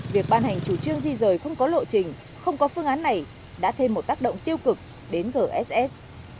việc ban hành chủ trương di rời không có lộ trình không có phương án này đã thêm một tác động tiêu cực đến gss